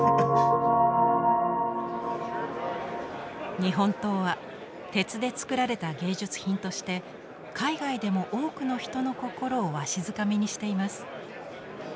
日本刀は鉄でつくられた芸術品として海外でも多くの人の心をわしづかみにしています。